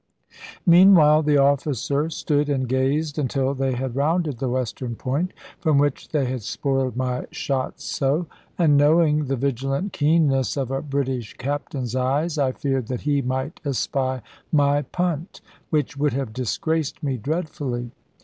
Meanwhile the officer stood and gazed until they had rounded the western point, from which they had spoiled my shot so; and knowing the vigilant keenness of a British captain's eyes, I feared that he might espy my punt, which would have disgraced me dreadfully.